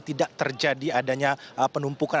tidak terjadi adanya penumpukan